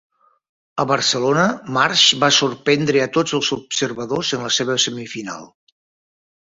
A Barcelona, Marsh va sorprendre a tots els observadors en la seva semifinal.